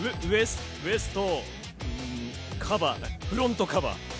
ウエストフロントカバー？